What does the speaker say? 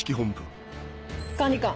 管理官。